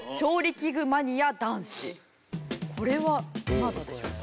これはどなたでしょうか？